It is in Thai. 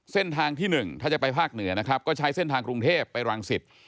เส้นทางที่๑ถ้าจะไปภาคเหนือนะครับก็ใช้เส้นทางกรุงเทพไปรังสิต